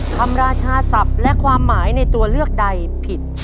ราชาศัพท์และความหมายในตัวเลือกใดผิด